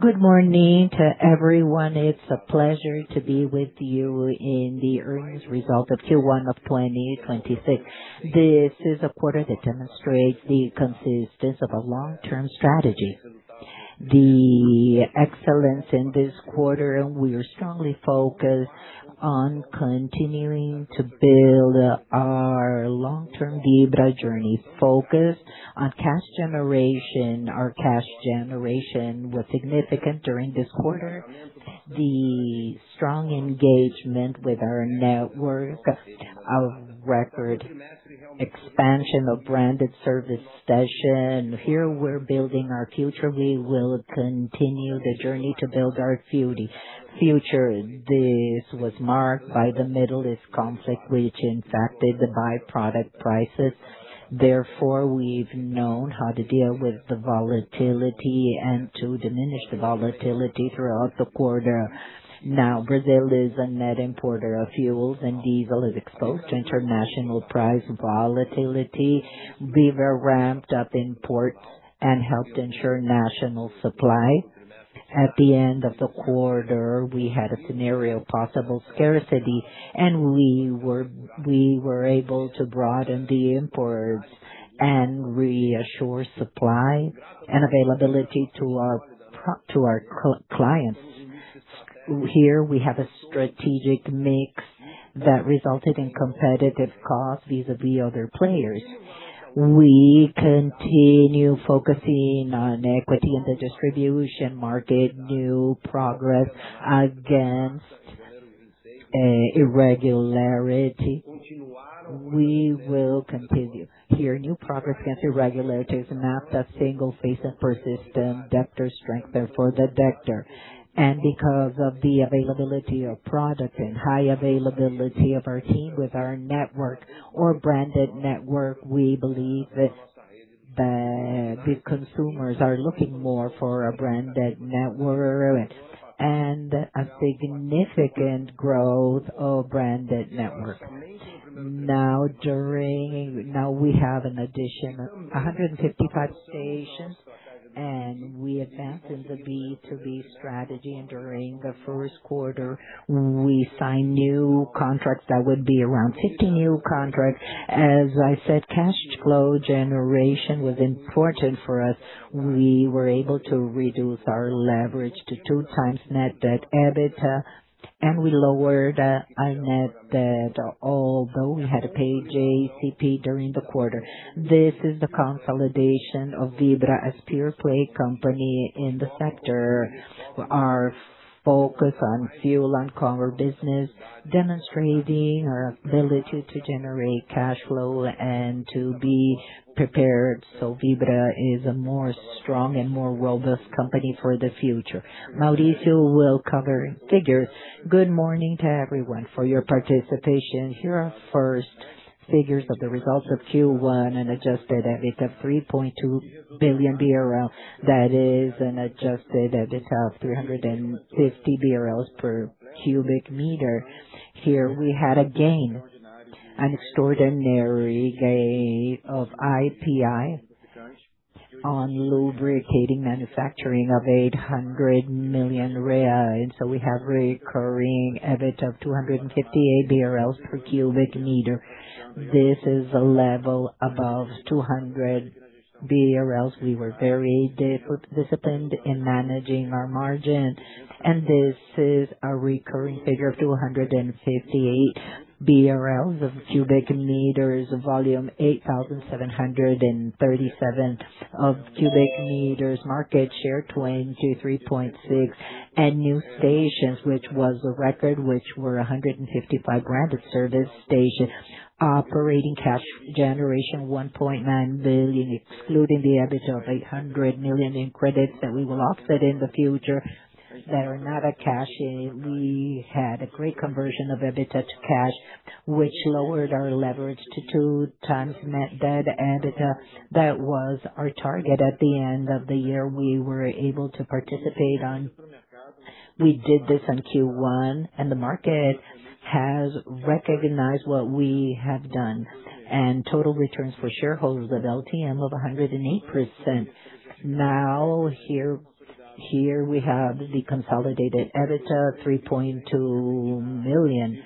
Good morning to everyone. It's a pleasure to be with you in the earnings result of Q1 of 2026. This is a quarter that demonstrates the consistency of a long-term strategy. The excellence in this quarter, we are strongly focused on continuing to build our long-term Vibra journey focused on cash generation. Our cash generation was significant during this quarter. The strong engagement with our network, our record expansion of branded service station. Here we're building our future. We will continue the journey to build our future. This was marked by the Middle East conflict which impacted the byproduct prices. We've known how to deal with the volatility and to diminish the volatility throughout the quarter. Brazil is a net importer of fuels and diesel is exposed to international price volatility. We were ramped up imports and helped ensure national supply. At the end of the quarter, we had a scenario of possible scarcity, and we were able to broaden the imports and reassure supply and availability to our clients. Here we have a strategic mix that resulted in competitive costs vis-à-vis other players. We continue focusing on equity in the distribution market, new progress against irregularity. We will continue. Here new progress against irregularities, not a single case of. Because of the availability of product and high availability of our team with our network or branded network, we believe that the consumers are looking more for a branded network. A significant growth of branded network. Now we have an addition of 155 stations, and we advanced in the B2B strategy. During the first quarter, we signed new contracts that would be around 50 new contracts. As I said, cash flow generation was important for us. We were able to reduce our leverage to 2x net debt EBITDA, and we lowered our net debt, although we had to pay JCP during the quarter. This is the consolidation of Vibra as pure play company in the sector. Our focus on fuel and core business, demonstrating our ability to generate cash flow and to be prepared so Vibra is a more strong and more robust company for the future. Maurício will cover figures. Good morning to everyone for your participation. Here are first figures of the results of Q1 and adjusted EBITDA 3.2 billion BRL. That is an adjusted EBITDA of 350 BRL per cubic meter. Here we had a gain, an extraordinary gain of IPI on lubricating manufacturing of 800 million. We have recurring EBITDA of 258 BRL per cubic meter. This is a level above 200 BRL. We were very disciplined in managing our margin. This is a recurring figure of 258 BRL of cubic meters, volume 8,737 of cubic meters, market share 23.6%. New stations, which was a record, which were 155 branded service stations. Operating cash generation 1.9 billion, excluding the EBITDA of 800 million in credits that we will offset in the future that are not a cash. We had a great conversion of EBITDA to cash, which lowered our leverage to 2x net debt EBITDA. That was our target at the end of the year. We were able to participate. We did this on Q1, the market has recognized what we have done. Total returns for shareholders of LTM of 108%. Here we have the consolidated EBITDA 3.2 million,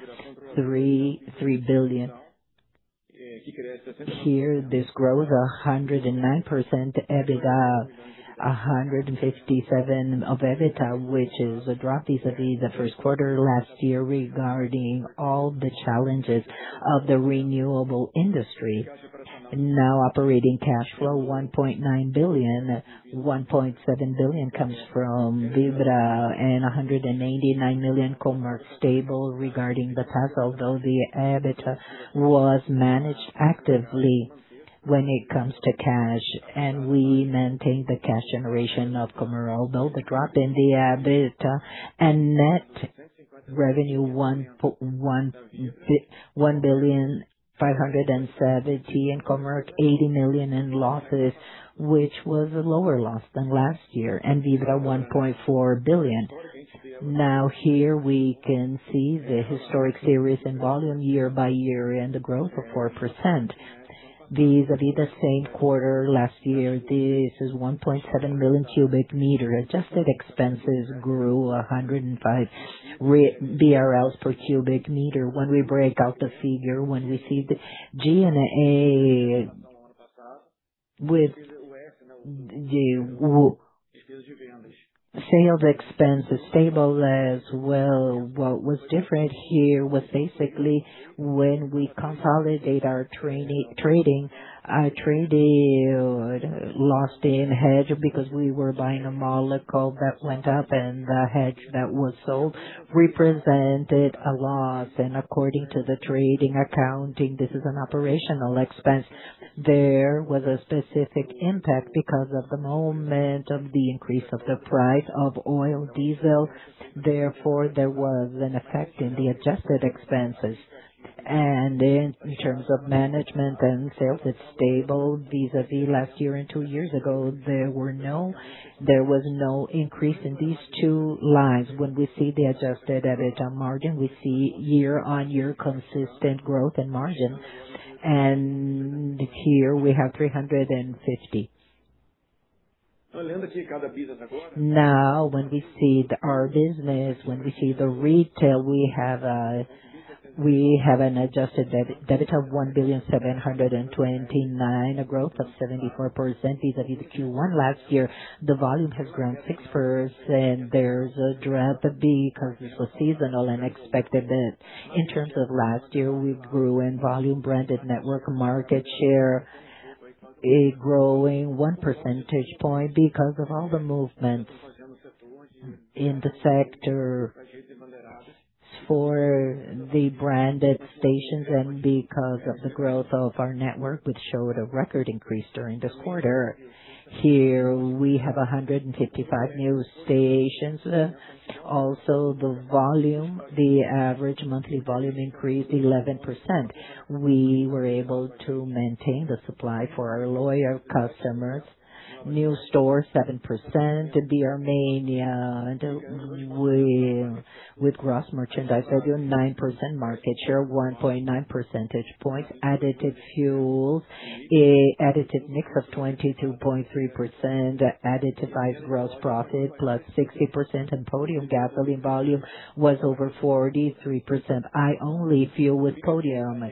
3 billion. This growth, 109% EBITDA, 157% of EBITDA, which is a drop vis-à-vis Q1 last year regarding all the challenges of the renewable industry. Operating cash flow 1.9 billion. 1.7 billion comes from Vibra and 189 million Comerc Energia stable regarding the past, although the EBITDA was managed actively when it comes to cash, and we maintained the cash generation of Comerc Energia, although the drop in the EBITDA and net revenue 1.57 billion and Comerc Energia 80 million in losses, which was a lower loss than last year, and Vibra 1.4 billion. Now here we can see the historic series in volume year by year and the growth of 4%. Vis-a-vis the same quarter last year, this is 1.7 million cubic meters. Adjusted expenses grew 105 BRL per cubic meter. When we break out the figure, when we see the G&A with Sales expense is stable as well. What was different here was basically when we consolidate our trading, traded, lost in hedge because we were buying a molecule that went up and the hedge that was sold represented a loss. According to the trading accounting, this is an operational expense. There was a specific impact because of the moment of the increase of the price of oil diesel. Therefore, there was an effect in the adjusted expenses. In terms of management and sales, it's stable vis-a-vis last year and two years ago, there was no increase in these two lines. When we see the adjusted EBITDA margin, we see year-on-year consistent growth and margin. This year we have 350. Now, when we see our business, when we see the retail, we have an adjusted EBITDA of 1.729 billion, a growth of 74% vis-a-vis the Q1 last year. The volume has grown 6%. There's a drop B because this was seasonal and expected that in terms of last year we grew in volume branded network market share, a growing 1 percentage point because of all the movement in the sector for the branded stations and because of the growth of our network, which showed a record increase during the quarter. Here we have 155 new stations. Also the average monthly volume increased 11%. We were able to maintain the supply for our loyal customers. New store, 7%. BR Mania, with gross merchandise of a 9% market share, 1.9 percentage point. Additive fuels, a additive mix of 22.3%. Additivized gross profit +60%. Podium gasoline volume was over 43%. I only fuel with Podium.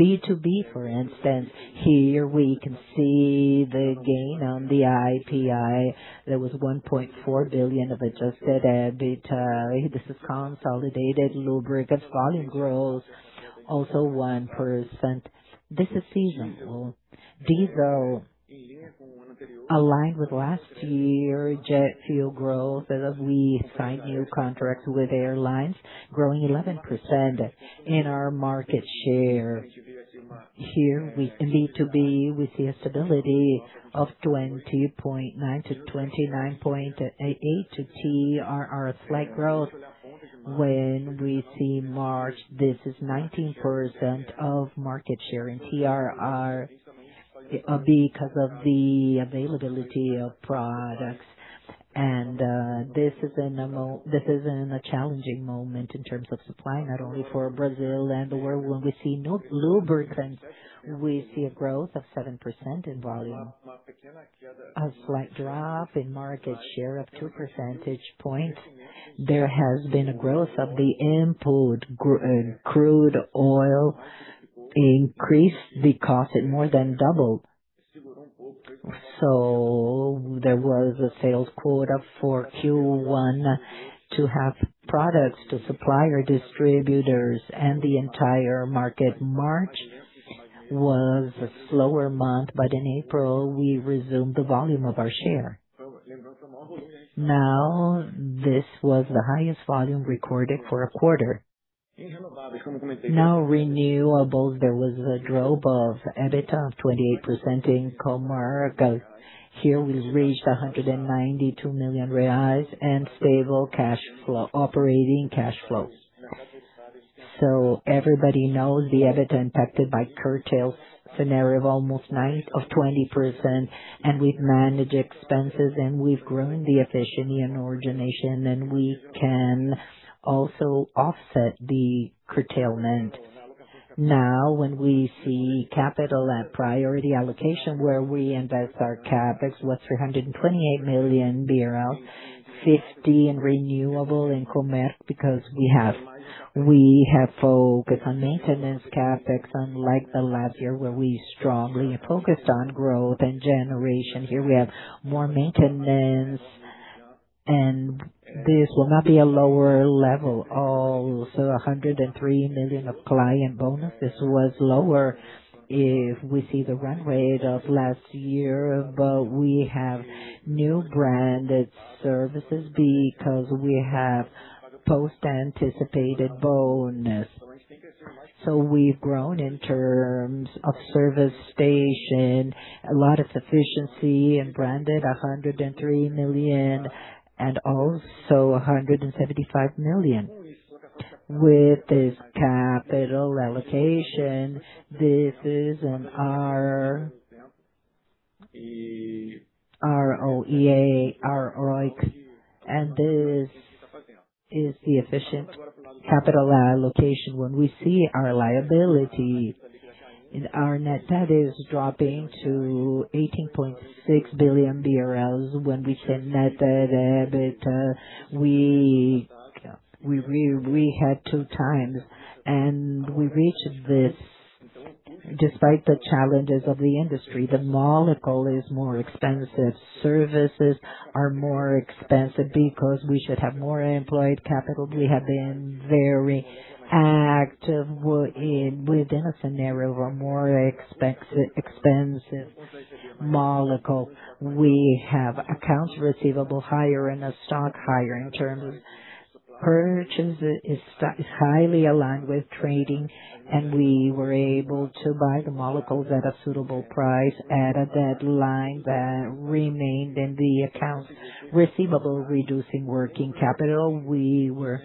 B2B, for instance, here we can see the gain on the IPI. There was 1.4 billion of adjusted EBITDA. This is consolidated lubricants volume growth, also 1%. This is seasonal. Diesel aligned with last year. Jet fuel growth as we sign new contracts with airlines, growing 11% in our market share. Here B2B, we see a stability of 20.9 to 29.8 to TRR slight growth. When we see March, this is 19% of market share in TRR because of the availability of products. This is in a challenging moment in terms of supply, not only for Brazil and the world. When we see lubricants, we see a growth of 7% in volume. A slight drop in market share of 2 percentage points. There has been a growth of the import crude oil increase. The cost more than doubled. There was a sales quota for Q1 to have products to supply our distributors and the entire market. March was a slower month, in April we resumed the volume of our share. This was the highest volume recorded for a quarter. Renewables. There was a drop of EBITDA of 28% in Comerc Energia. Here we reached 192 million reais and stable operating cash flow. Everybody knows the EBITDA impacted by curtail scenario of almost 20%. We've managed expenses and we've grown the efficiency in origination and we can also offset the curtailment. When we see capital at priority allocation where we invest our CapEx was BRL 328 million, 50 million in renewable in Comerc Energia because we have focused on maintenance CapEx unlike the last year where we strongly focused on growth and generation. Here we have more maintenance and this will not be a lower level. 103 million of client bonus. This was lower if we see the run rate of last year. We have new branded services because we have post-anticipated bonus. We've grown in terms of service station, a lot of sufficiency and branded 103 million and also 175 million. With this capital allocation, this is in our ROEA, our ROIC, and this is the efficient capital allocation. When we see our liability and our net debt is dropping to 18.6 billion BRL. When we see net debt, EBITDA, we had 2x, and we reached this despite the challenges of the industry. The molecule is more expensive. Services are more expensive because we should have more employed capital. We have been very active within a scenario of a more expensive molecule. We have accounts receivable higher and a stock higher in terms of purchases is highly aligned with trading, and we were able to buy the molecules at a suitable price at a deadline that remained in the accounts receivable, reducing working capital. We were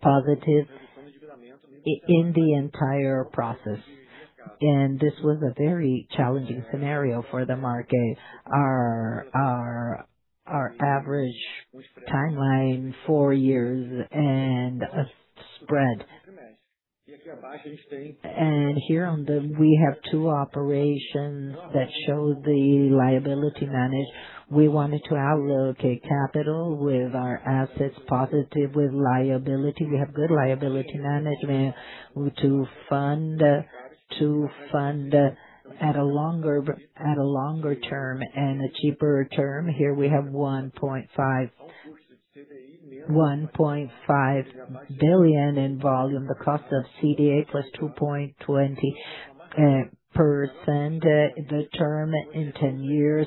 positive in the entire process, and this was a very challenging scenario for the market. Our average timeline, four years and a spread. We have two operations that show the liability management. We wanted to allocate capital with our assets positive with liability. We have good liability management to fund at a longer term and a cheaper term. Here we have 1.5 billion in volume. The cost of CDI plus 2.20%. The term in 10 years.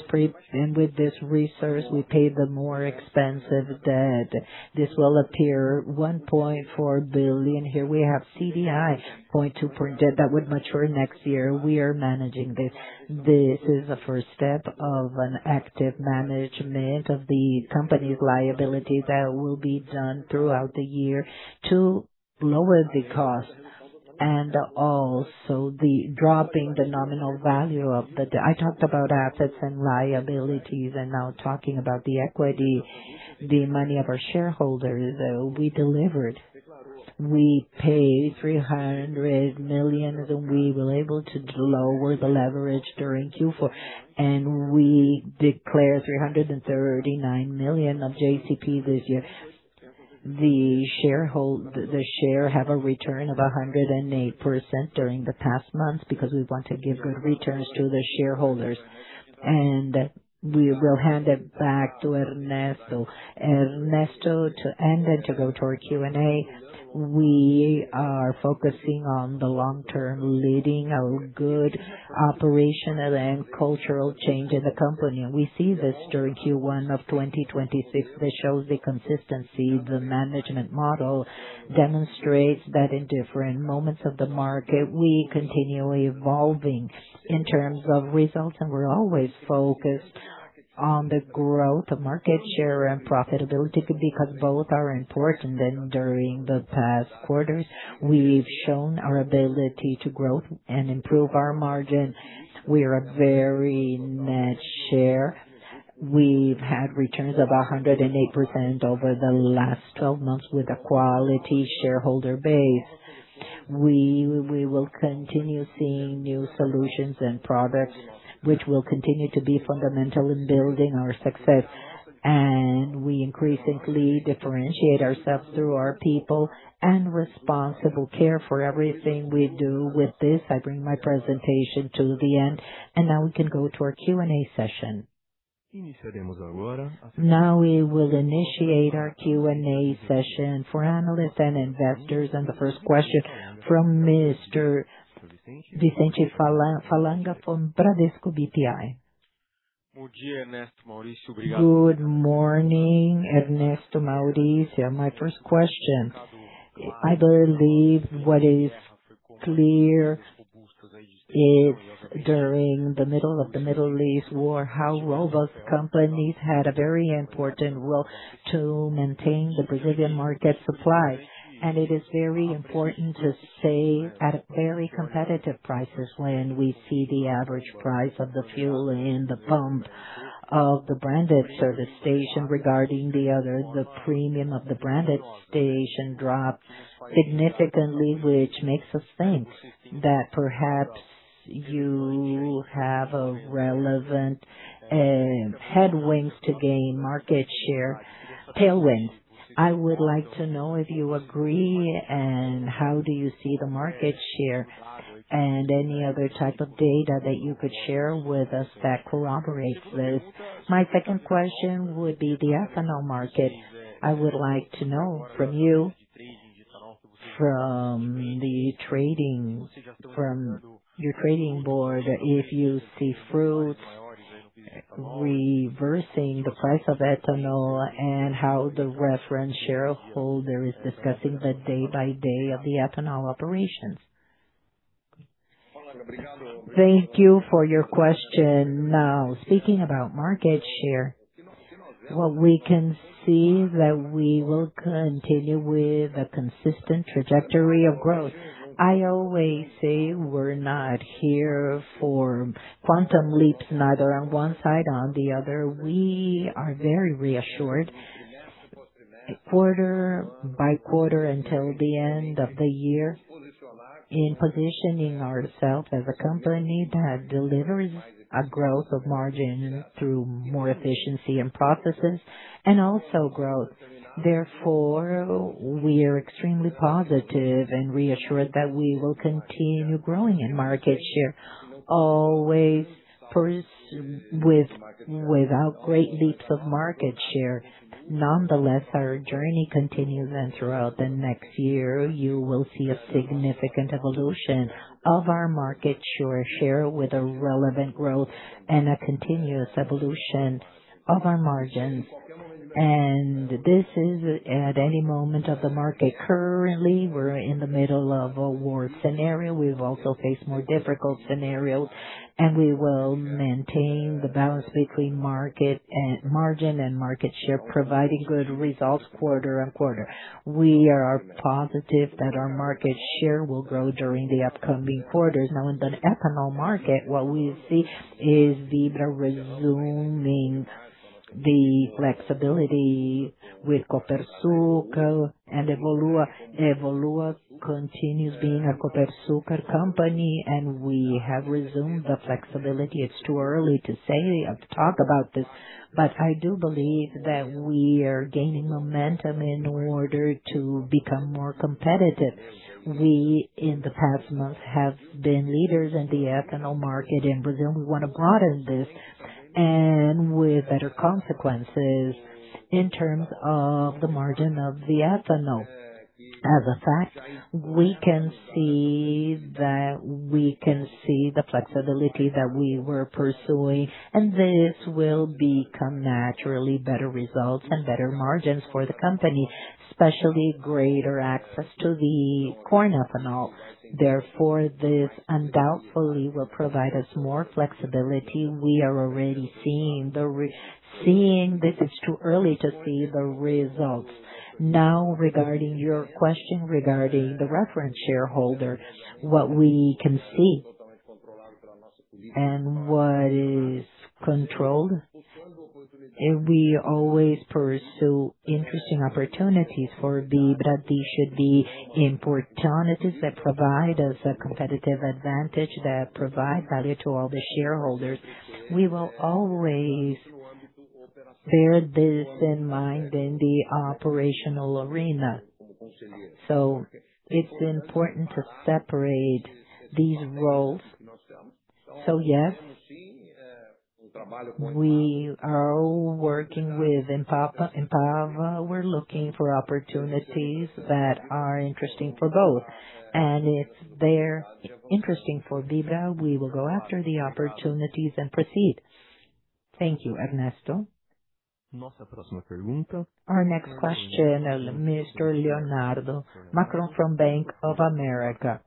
With this resource, we pay the more expensive debt. This will appear 1.4 billion. Here we have CDI plus 2 point debt that would mature next year. We are managing this. This is the first step of an active management of the company's liability that will be done throughout the year to lower the cost and also the dropping the nominal value of the CDI. I talked about assets and liabilities, and now talking about the equity, the money of our shareholders, we delivered. We paid 300 million, we were able to lower the leverage during Q4, and we declared 339 million of JCP this year. The share have a return of 108% during the past months because we want to give good returns to the shareholders. We will hand it back to Ernesto. Ernesto, to end and to go to our Q&A, we are focusing on the long-term, leading a good operational and cultural change in the company. We see this during Q1 of 2026. This shows the consistency. The management model demonstrates that in different moments of the market, we continually evolving in terms of results, and we're always focused on the growth of market share and profitability because both are important. During the past quarters, we've shown our ability to grow and improve our margin. We are a very net share. We've had returns of 108% over the last 12 months with a quality shareholder base. We will continue seeing new solutions and products, which will continue to be fundamental in building our success. We increasingly differentiate ourselves through our people and responsible care for everything we do. With this, I bring my presentation to the end, and now we can go to our Q&A session. Now, we will initiate our Q&A session for analysts and investors. The first question from Mr. Vicente Falanga from Bradesco BBI. Good morning, Ernesto, Maurício. My first question, I believe what is clear is during the middle of the Middle East war, how robust companies had a very important role to maintain the Brazilian market supply. It is very important to stay at a very competitive prices when we see the average price of the fuel in the pump of the branded service station. Regarding the other, the premium of the branded station dropped significantly, which makes us think that perhaps you have a relevant headwind to gain market share. Tailwind. I would like to know if you agree and how do you see the market share and any other type of data that you could share with us that corroborates this. My second question would be the ethanol market. I would like to know from you, from the trading, from your trading board, if you see fruits reversing the price of ethanol and how the reference shareholder is discussing the day by day of the ethanol operations. Thank you for your question. Speaking about market share. Well, we can see that we will continue with a consistent trajectory of growth. I always say we're not here for quantum leaps, neither on one side or on the other. We are very reassured quarter by quarter until the end of the year in positioning ourself as a company that delivers a growth of margin through more efficiency and processes and also growth. We are extremely positive and reassured that we will continue growing in market share, always without great leaps of market share. Nonetheless, our journey continues, and throughout the next year, you will see a significant evolution of our market share with a relevant growth and a continuous evolution of our margins. This is at any moment of the market. Currently, we're in the middle of a war scenario. We've also faced more difficult scenarios, and we will maintain the balance between margin and market share, providing good results quarter and quarter. We are positive that our market share will grow during the upcoming quarters. Now, in the ethanol market, what we see is Vibra resuming the flexibility with Copersucar and Evolua Etanol. Evolua Etanol continues being a Copersucar company, and we have resumed the flexibility. It's too early to say or talk about this, but I do believe that we are gaining momentum in order to become more competitive. We, in the past month, have been leaders in the ethanol market in Brazil. We want to broaden this and with better consequences in terms of the margin of the ethanol. As a fact, we can see the flexibility that we were pursuing, and this will become naturally better results and better margins for the company, especially greater access to the corn ethanol. This undoubtedly will provide us more flexibility. We are already seeing This is too early to see the results. Regarding your question regarding the reference shareholder, what we can see and what is controlled, if we always pursue interesting opportunities for Vibra, these should be opportunities that provide us a competitive advantage, that provide value to all the shareholders. We will always bear this in mind in the operational arena. It's important to separate these roles. Yes, we are all working with Eneva. Eneva, we're looking for opportunities that are interesting for both. If they're interesting for Vibra, we will go after the opportunities and proceed. Thank you, Ernesto. Our next question, Mr. Leonardo Marcondes from Bank of America.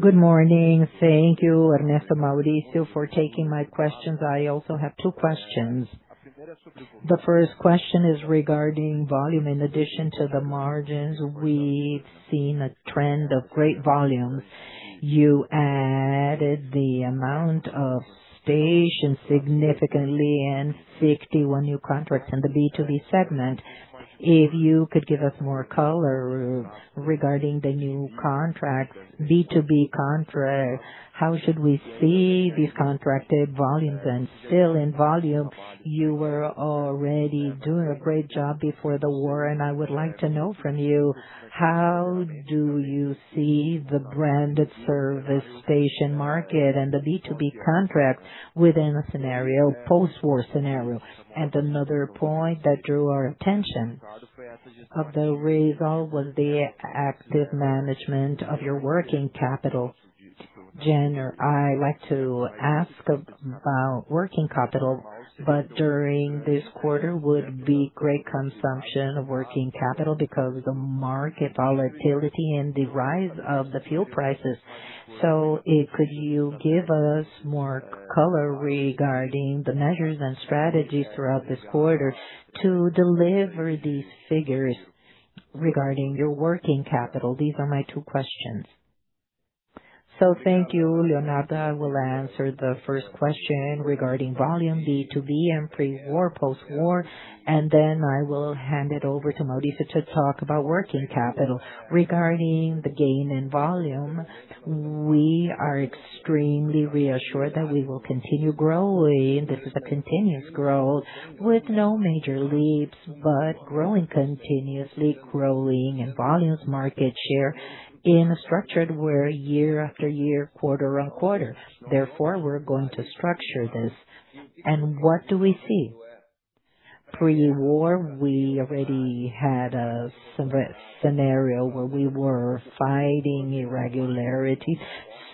Good morning. Thank you, Ernesto and Maurício, for taking my questions. I also have two questions. The first question is regarding volume. In addition to the margins, we've seen a trend of great volume. You added the amount of stations significantly and 61 new contracts in the B2B segment. If you could give us more color regarding the new contracts, B2B contracts, how should we see these contracted volumes? Still in volume, you were already doing a great job before the war, and I would like to know from you, how do you see the branded service station market and the B2B contracts within a scenario, post-war scenario? Another point that drew our attention of the result was the active management of your working capital. I like to ask about working capital, during this quarter would be great consumption of working capital because of the market volatility and the rise of the fuel prices. If could you give us more color regarding the measures and strategies throughout this quarter to deliver these figures regarding your working capital? These are my two questions. Thank you, Leonardo. I will answer the first question regarding volume, B2B and pre-war, post-war, and then I will hand it over to Maurício to talk about working capital. Regarding the gain in volume, we are extremely reassured that we will continue growing. This is a continuous growth with no major leaps, but growing continuously, growing in volumes market share in a structured way year after year, quarter on quarter. Therefore, we are going to structure this. What do we see? Pre-war, we already had a scenario where we were fighting irregularities,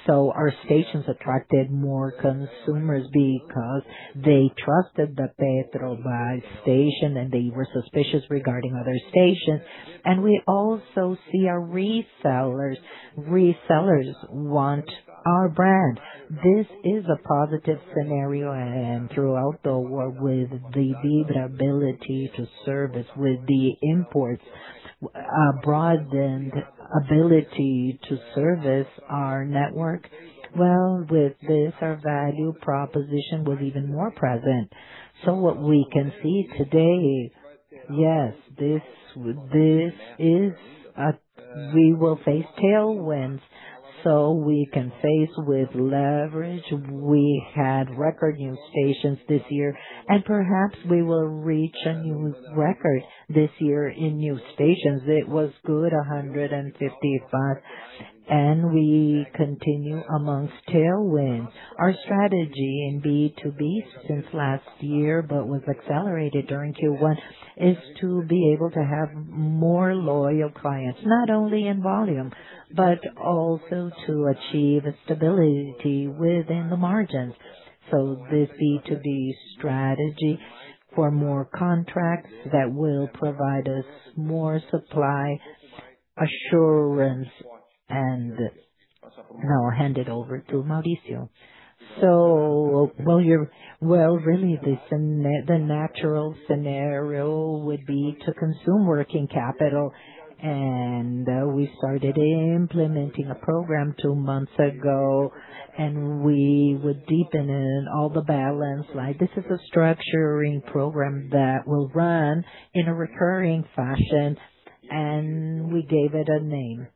so our stations attracted more consumers because they trusted the Petrobras station, and they were suspicious regarding other stations. We also see our resellers want our brand. This is a positive scenario and throughout the war with the Vibra ability to service with the imports, broadened ability to service our network. Well, with this, our value proposition was even more present. What we can see today, yes, We will face tailwinds, so we can face with leverage. We had record new stations this year, and perhaps we will reach a new record this year in new stations. It was good, 155, and we continue amongst tailwinds. Our strategy in B2B since last year, but was accelerated during Q1, is to be able to have more loyal clients, not only in volume, but also to achieve stability within the margins. This B2B strategy for more contracts that will provide us more supply assurance and now I'll hand it over to Maurício. Really, the natural scenario would be to consume working capital. We started implementing a program two months ago, and we would deepen in all the balance. This is a structuring program that will run in a recurring fashion, and we gave it a name.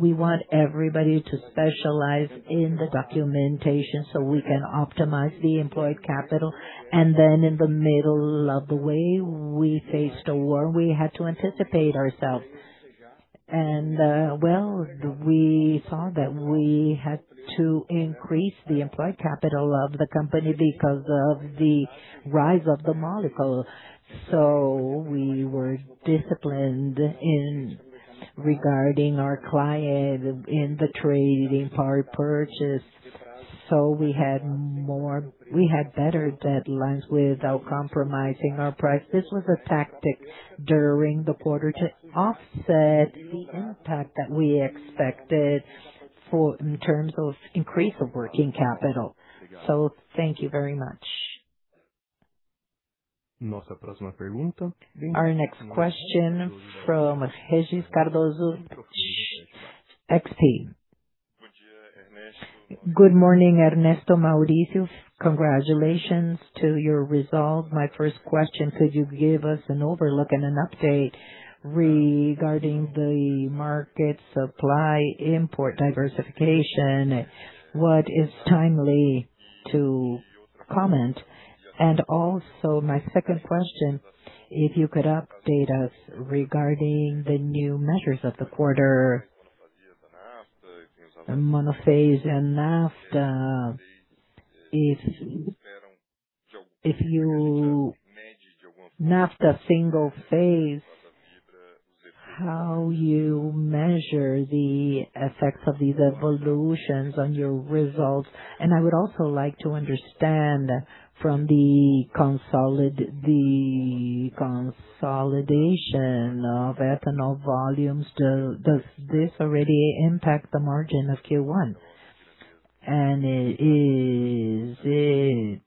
We want everybody to specialize in the documentation so we can optimize the employed capital. In the middle of the way we faced a war, we had to anticipate ourselves. Well, we saw that we had to increase the employed capital of the company because of the rise of the molecule. We were disciplined in regarding our client in the trading part purchase. We had better deadlines without compromising our price. This was a tactic during the quarter to offset the impact that we expected in terms of increase of working capital. Thank you very much. Our next question from Regis Cardoso, XP. Good morning, Ernesto, Maurício. Congratulations to your results. My first question, could you give us an overlook and an update regarding the market supply import diversification? What is timely to comment? Also my second question, if you could update us regarding the new measures of the quarter, monofásico and naphtha. Naphtha single phase, how you measure the effects of these evolutions on your results. I would also like to understand from the consolidation of ethanol volumes, does this already impact the margin of Q1? Is it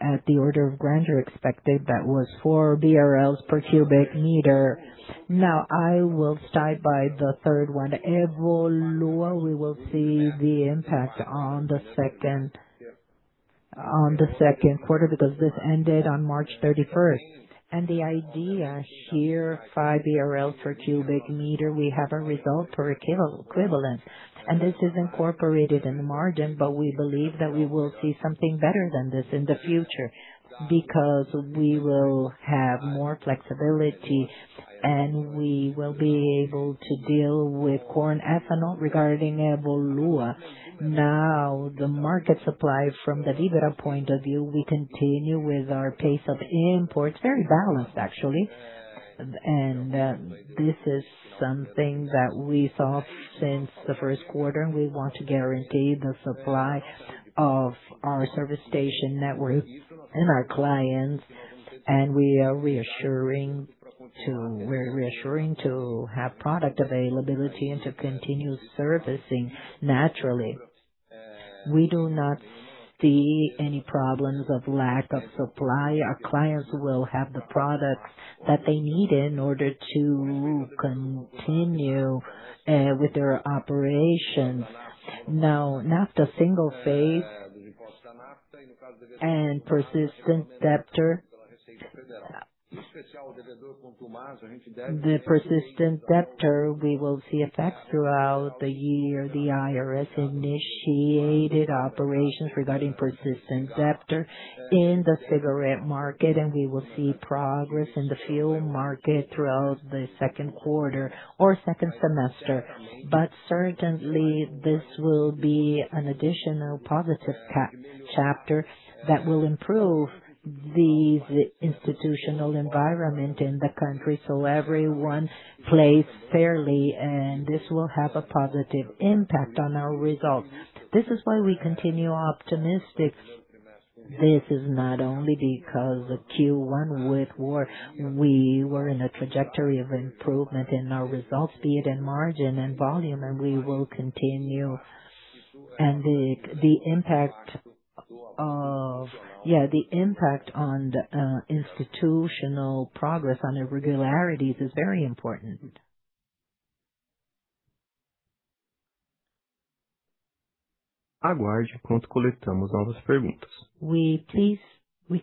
at the order of grandeur expected that was 4 BRL per cubic meter. I will start by the third one. Evolua Etanol, we will see the impact on the second quarter because this ended on March 31st. The idea here, 5 BRL per cubic meter, we have a result per kilo equivalent, and this is incorporated in the margin, but we believe that we will see something better than this in the future because we will have more flexibility, and we will be able to deal with corn ethanol regarding Evolua Etanol. The market supply from the Vibra point of view, we continue with our pace of imports, very balanced actually. This is something that we saw since the first quarter. We want to guarantee the supply of our service station network and our clients, and we're reassuring to have product availability and to continue servicing naturally. We do not see any problems of lack of supply. Our clients will have the products that they need in order to continue with their operations. Now, naphtha single phase and persistent debtor. The persistent debtor, we will see effects throughout the year. The Receita Federal initiated operations regarding persistent debtor in the cigarette market, and we will see progress in the fuel market throughout the second quarter or second semester. Certainly, this will be an additional positive chapter that will improve the institutional environment in the country, so everyone plays fairly, and this will have a positive impact on our results. This is why we continue optimistic. This is not only because of Q1 with war. We were in a trajectory of improvement in our results, be it in margin and volume, and we will continue. The impact on the institutional progress on irregularities is very important. We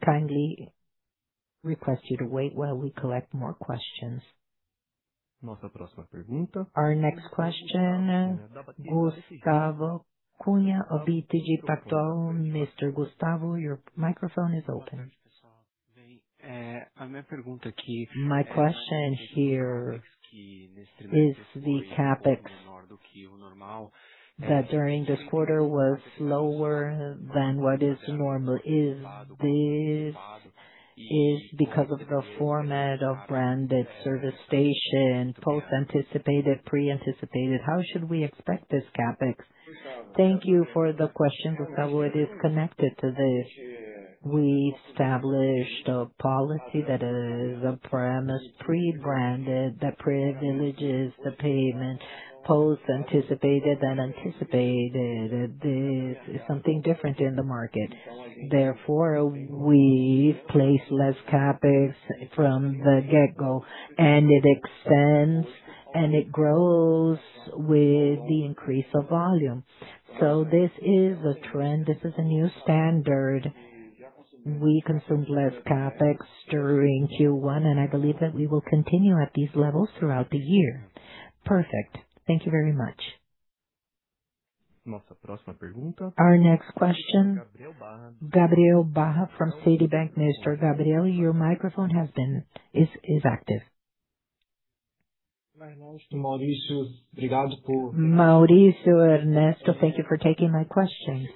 kindly request you to wait while we collect more questions. Our next question, Gustavo Cunha of BTG Pactual. Mr. Gustavo, your microphone is open. My question here is the CapEx that during this quarter was lower than what is normal. Is this is because of the format of branded service station, post-anticipated, pre-anticipated. How should we expect this CapEx? Thank you for the question, Gustavo. It is connected to this. We established a policy that is a premise pre-branded that privileges the payment, post-anticipated and anticipated. This is something different in the market. Therefore, we place less CapEx from the get-go, and it extends, and it grows with the increase of volume. This is a trend. This is a new standard. We consume less CapEx during Q1, and I believe that we will continue at these levels throughout the year. Perfect. Thank you very much. Our next question, Gabriel Barra from Citibank. Mr. Gabriel, your microphone is active. Maurício, Ernesto, thank you for taking my question.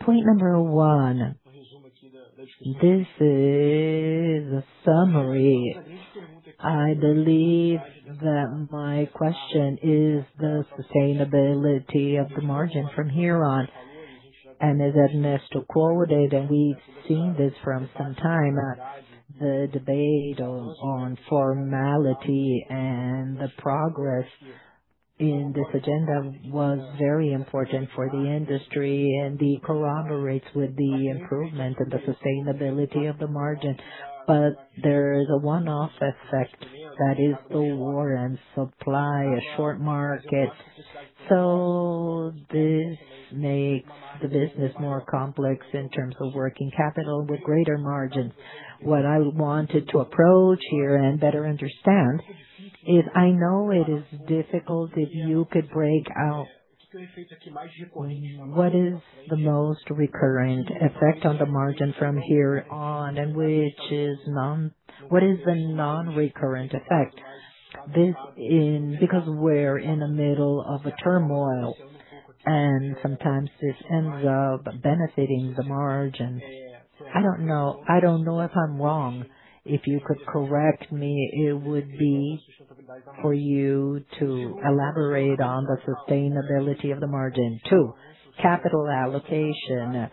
Point number one, this is a summary. I believe that my question is the sustainability of the margin from here on. As Ernesto quoted, and we've seen this from some time, the debate on formality and the progress in this agenda was very important for the industry and it corroborates with the improvement and the sustainability of the margin. There is a one-off effect that is the war and supply, a short market. This makes the business more complex in terms of working capital with greater margins. What I wanted to approach here and better understand is I know it is difficult if you could break out what is the most recurrent effect on the margin from here on and What is the non-recurrent effect? Because we're in the middle of a turmoil, sometimes this ends up benefiting the margins. I don't know. I don't know if I'm wrong. If you could correct me, it would be for you to elaborate on the sustainability of the margin. Two, capital allocation.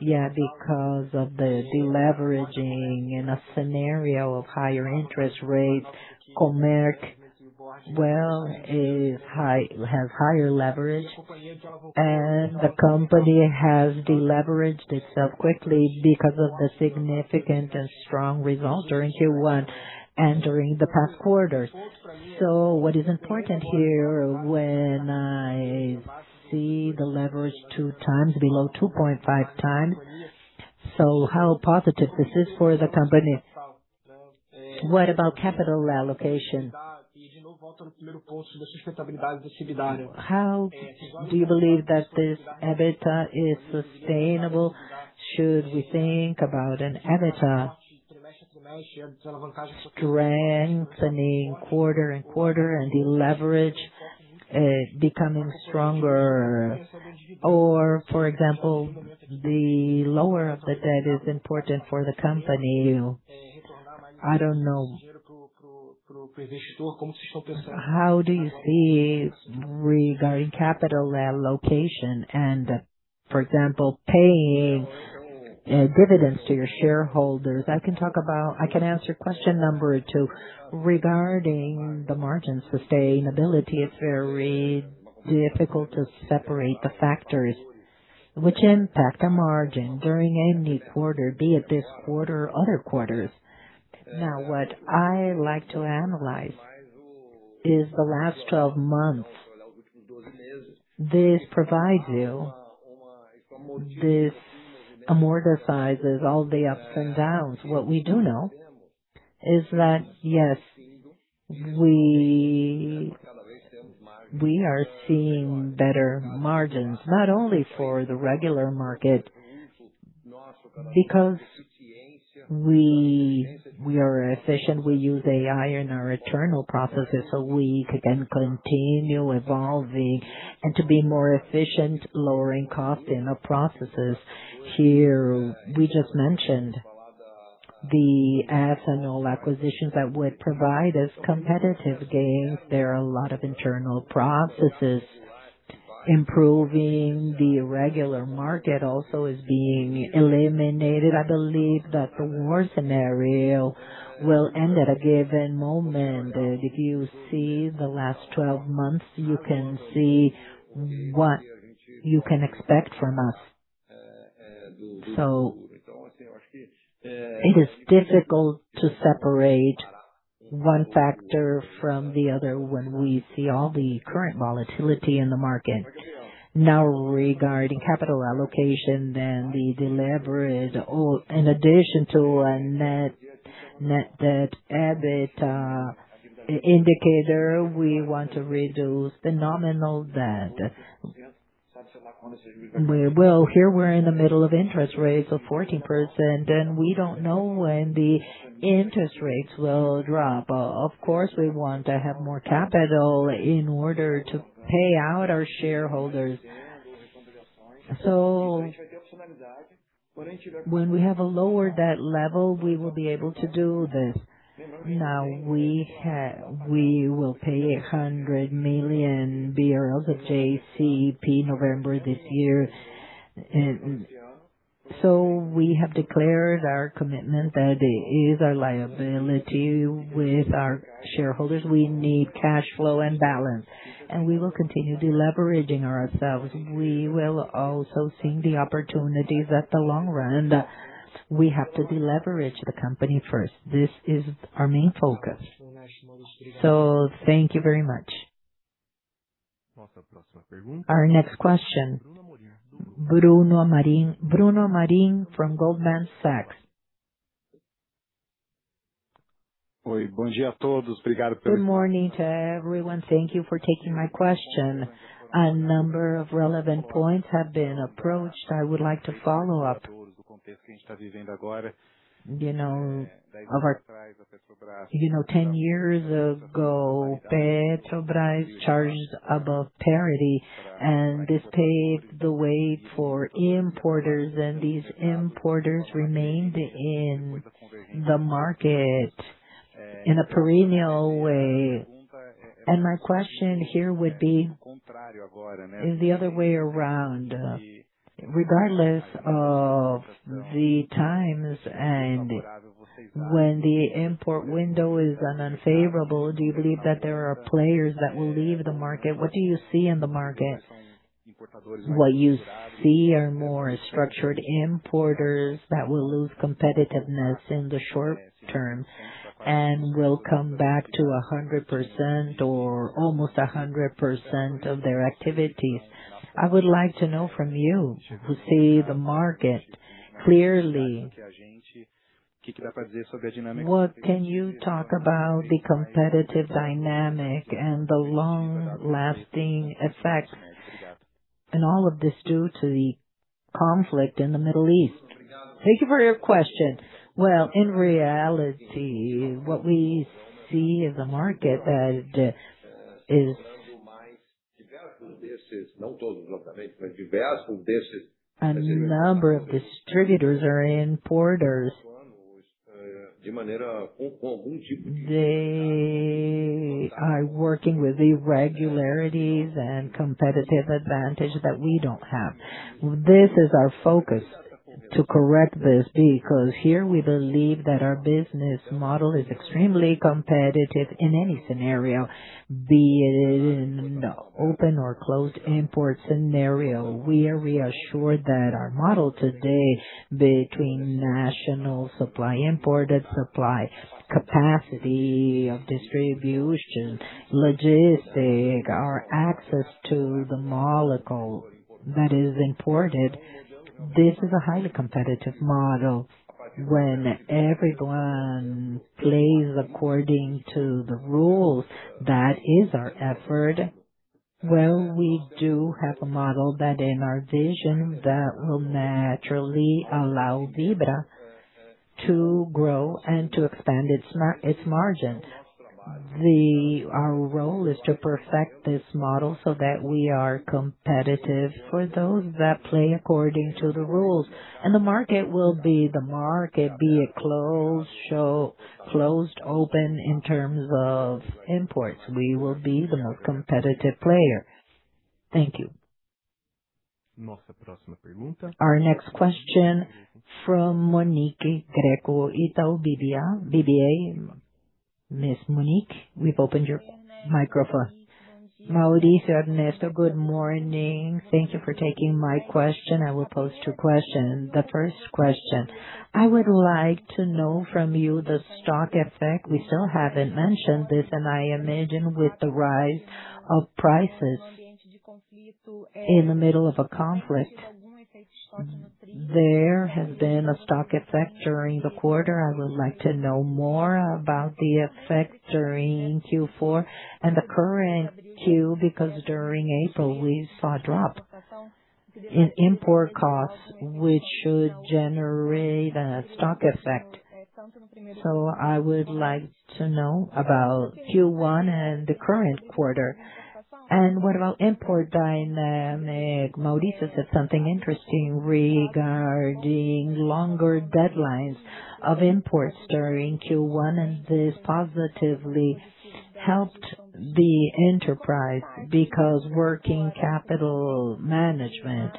Yeah, because of the deleveraging in a scenario of higher interest rates, Comerc Energia has higher leverage, the company has deleveraged itself quickly because of the significant and strong results during Q1 and during the past quarters. What is important here when I see the leverage 2x below 2.5x how positive this is for the company. What about capital allocation? How do you believe that this EBITDA is sustainable? Should we think about an EBITDA strengthening quarter and quarter and the leverage becoming stronger? For example, the lower of the debt is important for the company. I don't know. How do you see regarding capital allocation and, for example, paying dividends to your shareholders? I can answer question number two. Regarding the margin sustainability, it's very difficult to separate the factors which impact the margin during any quarter, be it this quarter or other quarters. What I like to analyze is the last 12 months. This amortizes all the ups and downs. What we do know is that, yes, we are seeing better margins, not only for the regular market. We are efficient, we use AI in our internal processes, so we can continue evolving and to be more efficient, lowering cost in the processes. Here, we just mentioned the ethanol acquisitions that would provide us competitive gains. There are a lot of internal processes. Improving the regular market also is being eliminated. I believe that the war scenario will end at a given moment. If you see the last 12 months, you can see what you can expect from us. It is difficult to separate one factor from the other when we see all the current volatility in the market. Regarding capital allocation, then the deliberate or in addition to a net debt EBITDA indicator, we want to reduce the nominal debt. We will. Here we're in the middle of interest rates of 14%, and we don't know when the interest rates will drop. Of course, we want to have more capital in order to pay out our shareholders. When we have a lower debt level, we will be able to do this. We will pay 100 million of JCP November this year. We have declared our commitment that it is our liability with our shareholders. We need cash flow and balance, and we will continue deleveraging ourselves. We will also seeing the opportunities at the long run. We have to deleverage the company first. This is our main focus. Thank you very much. Our next question, Bruno Amorim. Bruno Amorim from Goldman Sachs. Good morning to everyone. Thank you for taking my question. A number of relevant points have been approached. I would like to follow up. You know, 10 years ago, Petrobras charged above parity, and this paved the way for importers, and these importers remained in the market in a perennial way. My question here would be, is the other way around. Regardless of the times and when the import window is unfavorable, do you believe that there are players that will leave the market? What do you see in the market? What you see are more structured importers that will lose competitiveness in the short term and will come back to 100% or almost 100% of their activities. I would like to know from you who see the market clearly. What can you talk about the competitive dynamic and the long-lasting effect and all of this due to the conflict in the Middle East? Thank you for your question. In reality, what we see in the market that, is a number of distributors are importers. They are working with irregularities and competitive advantage that we don't have. This is our focus to correct this, because here we believe that our business model is extremely competitive in any scenario, be it in open or closed import scenario. We are reassured that our model today between national supply, imported supply, capacity of distribution, logistics, our access to the molecule that is imported, this is a highly competitive model. When everyone plays according to the rules, that is our effort. Well, we do have a model that in our vision that will naturally allow Vibra to grow and to expand its margins. Our role is to perfect this model so that we are competitive for those that play according to the rules. The market will be the market, be it closed, open in terms of imports. We will be the most competitive player. Thank you. Our next question from Monique Greco, Itaú BBA. Ms. Monique, we've opened your microphone. Maurício, Ernesto, good morning. Thank you for taking my question. I will pose two question. The first question: I would like to know from you the stock effect. We still haven't mentioned this, and I imagine with the rise of prices in the middle of a conflict, there has been a stock effect during the quarter. I would like to know more about the effect during Q4 and the current Q, because during April, we saw a drop in import costs, which should generate a stock effect. I would like to know about Q1 and the current quarter. What about import dynamic? Maurício said something interesting regarding longer deadlines of imports during Q1, and this positively helped the enterprise because working capital management.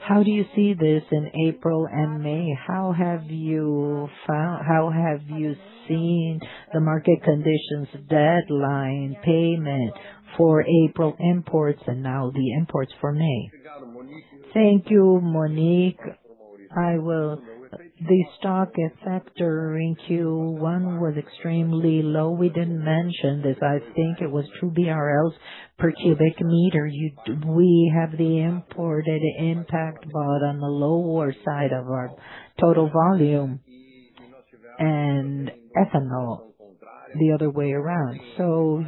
How do you see this in April and May? How have you seen the market conditions, deadline payment for April imports and now the imports for May? Thank you, Monique. The stock effect during Q1 was extremely low. We didn't mention this. I think it was 2 BRL per cubic meter. We have the imported impact, but on the lower side of our total volume and ethanol the other way around.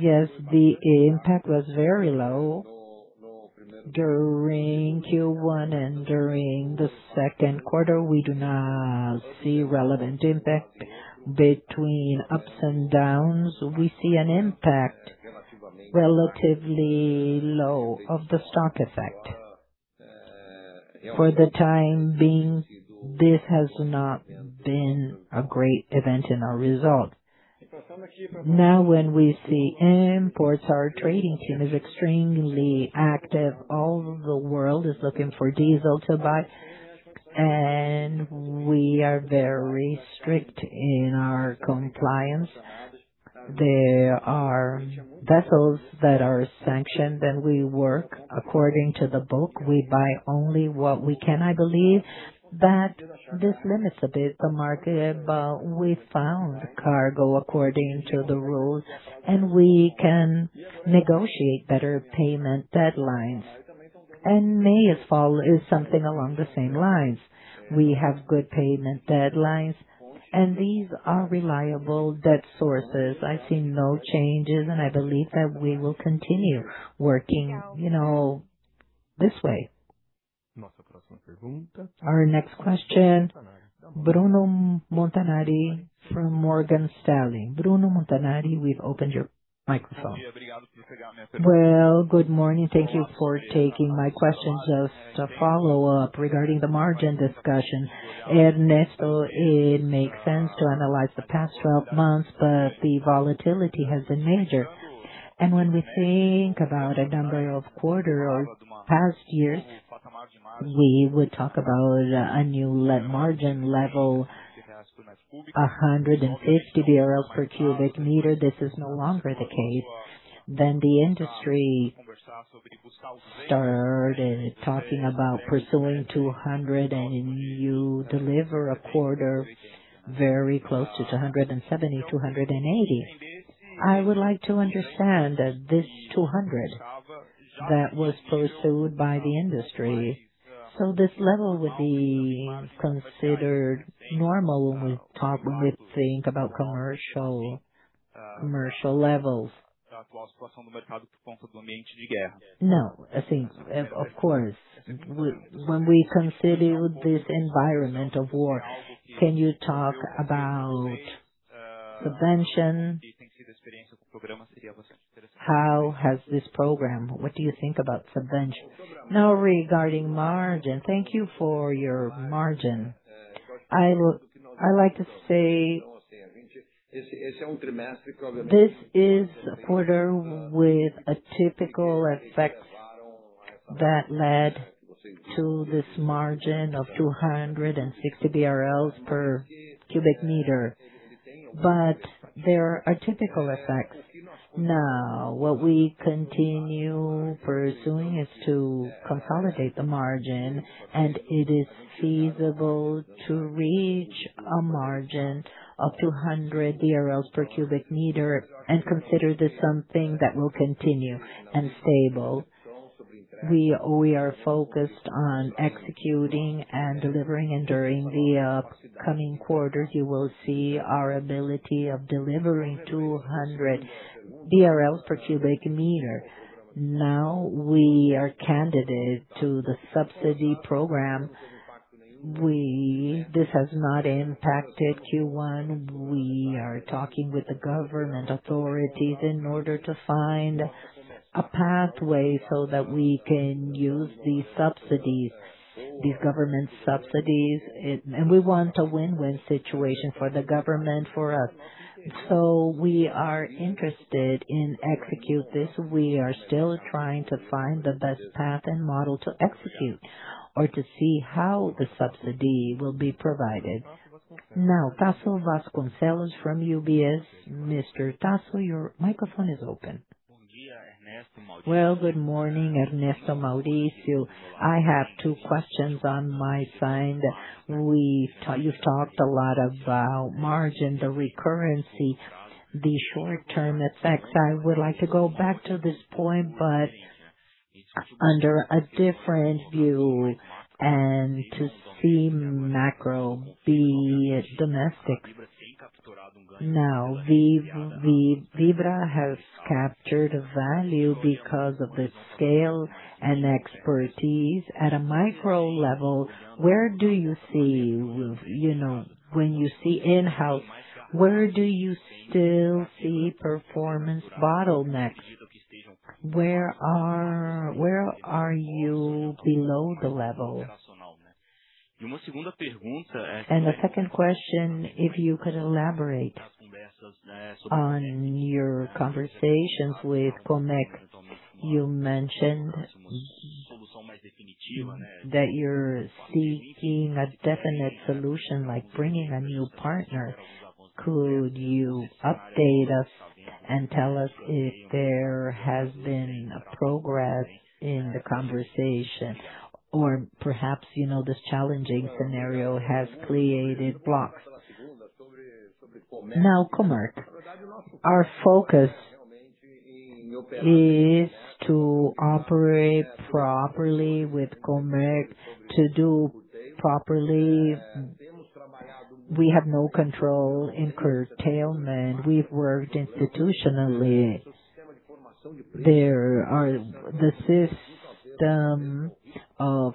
Yes, the impact was very low during Q1 and during the second quarter. We do not see relevant impact between ups and downs. We see an impact relatively low of the stock effect. For the time being, this has not been a great event in our result. Now, when we see imports, our trading team is extremely active. All the world is looking for diesel to buy, and we are very strict in our compliance. There are vessels that are sanctioned. We work according to the book. We buy only what we can. I believe that this limits a bit the market, but we found cargo according to the rules, and we can negotiate better payment deadlines. May as well is something along the same lines. We have good payment deadlines, and these are reliable debt sources. I see no changes, and I believe that we will continue working, you know, this way. Our next question, Bruno Montanari from Morgan Stanley. Bruno Montanari, we've opened your microphone. Well, good morning. Thank you for taking my questions. Just a follow-up regarding the margin discussion. Ernesto, it makes sense to analyze the past 12 months, but the volatility has been major. When we think about a number of quarter or past years, we would talk about a new margin level, 150 per cubic meter. This is no longer the case. The industry started talking about pursuing 200, and you deliver a quarter very close to 270, 280. I would like to understand that this 200 that was pursued by the industry. This level would be considered normal when we think about commercial levels. No, I think, of course, when we consider this environment of war, can you talk about Subvention? What do you think about Subvention? Regarding margin. Thank you for your margin. I like to say this is a quarter with a typical effect that led to this margin of 260 BRL per cubic meter. There are typical effects. What we continue pursuing is to consolidate the margin, and it is feasible to reach a margin of 200 per cubic meter and consider this something that will continue and stable. We are focused on executing and delivering, and during the coming quarters, you will see our ability of delivering 200 BRL per cubic meter. We are candidate to the subsidy program. This has not impacted Q1. We are talking with the government authorities in order to find a pathway so that we can use these subsidies, these government subsidies. We want a win-win situation for the government, for us. We are interested in execute this. We are still trying to find the best path and model to execute or to see how the subsidy will be provided. Now, Tasso Vasconcellos from UBS BB. Mr. Tasso, your microphone is open. Well, good morning, Ernesto, Maurício. I have two questions on my side. You've talked a lot about margin, the recurrency, the short term effects. I would like to go back to this point, but under a different view and to see macro be domestic. Now, Vibra has captured a value because of its scale and expertise. At a micro level, where do you see, you know, when you see in-house, where do you still see performance bottlenecks? Where are you below the level? The second question, if you could elaborate on your conversations with Comerc Energia. You mentioned that you're seeking a definite solution like bringing a new partner. Could you update us and tell us if there has been a progress in the conversation or perhaps, you know, this challenging scenario has created blocks. Comerc Energia. Our focus is to operate properly with Comerc Energia to do properly. We have no control in curtailment. We've worked institutionally. There are the system of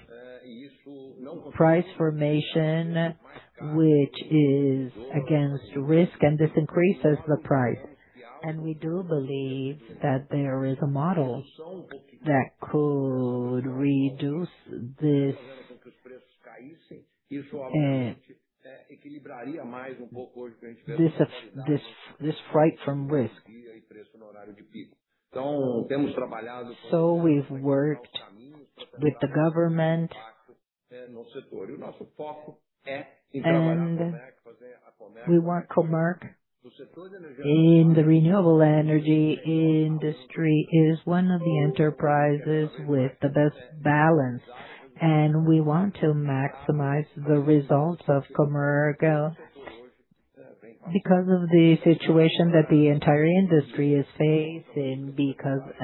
price formation which is against risk, and this increases the price. We do believe that there is a model that could reduce this. We've worked with the government and we want Comerc Energia in the renewable energy industry is one of the enterprises with the best balance, and we want to maximize the results of Comerc Energia because of the situation that the entire industry is facing.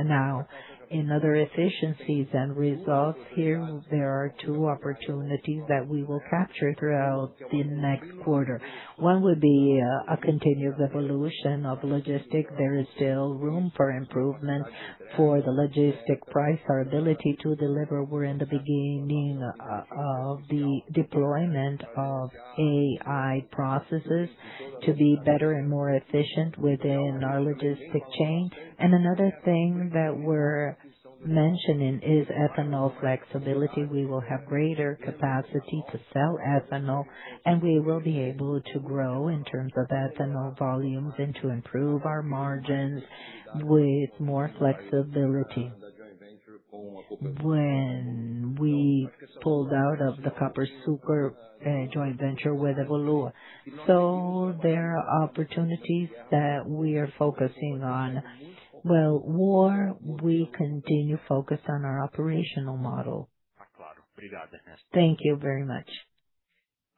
Now in other efficiencies and results here, there are two opportunities that we will capture throughout the next quarter. One would be a continued evolution of logistic. There is still room for improvement for the logistic price, our ability to deliver. We're in the beginning of the deployment of AI processes to be better and more efficient within our logistic chain. Another thing that we're mentioning is ethanol flexibility. We will have greater capacity to sell ethanol, and we will be able to grow in terms of ethanol volumes and to improve our margins with more flexibility. When we pulled out of the Copersucar joint venture with Evolua Etanol. There are opportunities that we are focusing on. Well, more we continue focus on our operational model. Thank you very much.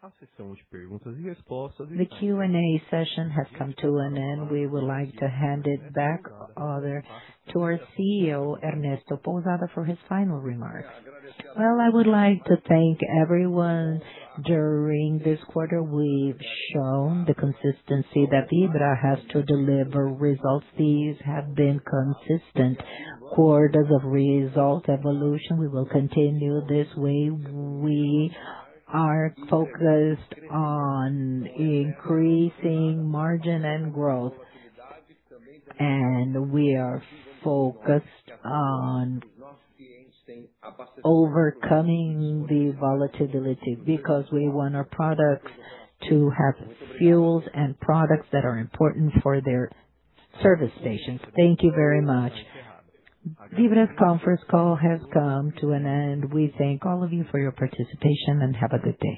The Q&A session has come to an end. We would like to hand it back to our CEO, Ernesto Pousada, for his final remarks. Well, I would like to thank everyone. During this quarter, we've shown the consistency that Vibra has to deliver results. These have been consistent quarters of result evolution. We will continue this way. We are focused on increasing margin and growth, and we are focused on overcoming the volatility because we want our products to have fuels and products that are important for their service stations. Thank you very much. Vibra's conference call has come to an end. We thank all of you for your participation, and have a good day.